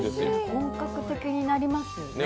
本格的になりますよね。